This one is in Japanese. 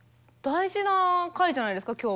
大事な回じゃないですか？